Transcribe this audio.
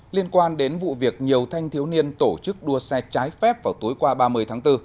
liên quan đến vụ việc nhiều thanh thiếu niên tổ chức đua xe trái phép vào tối qua ba mươi tháng bốn